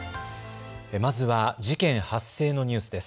まずは事件発生のニュースです。